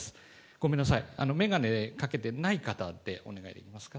ごめんなさい、眼鏡かけてない方でお願いできますか。